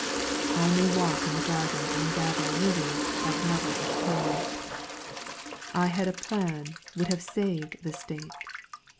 I may walk in the garden and gather Lilies of mother of pearl. I had a plan would have saved the State.